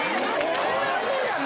こうやってるやん！